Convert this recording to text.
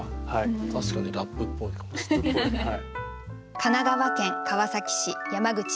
確かにラップっぽいかもしれない。